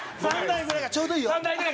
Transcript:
３台ぐらいがちょうどいい。